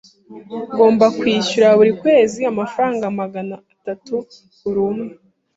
Ngomba kwishyura buri kwezi amafaranga magana atatu buri umwe.